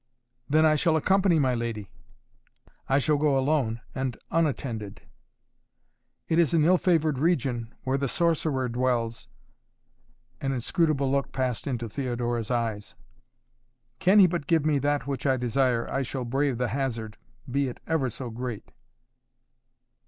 "Then I shall accompany my lady " "I shall go alone and unattended " "It is an ill favored region, where the sorcerer dwells " An inscrutable look passed into Theodora's eyes. "Can he but give me that which I desire I shall brave the hazard, be it ever so great."